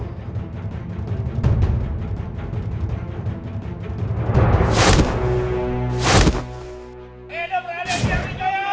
hidup radya jawa